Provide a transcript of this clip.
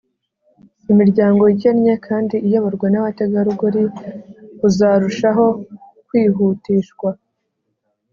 imiryango ikennye kandi iyoborwa n'abategarugori uzarushaho kwihutishwa.